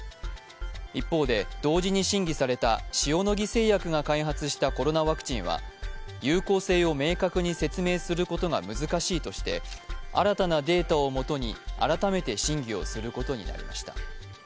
一方で、同時に審議された塩野義製薬が開発したコロナワクチンは有効性を明確に説明することが難しいとして、新たなデータをもとに改めて審議をすることになりました。